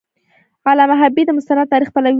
علامه حبیبي د مستند تاریخ پلوی و.